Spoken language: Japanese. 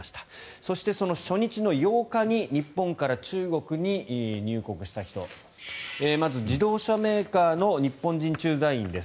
そして、その初日の８日に日本から中国に入国した人まず、自動車メーカーの日本人駐在員です。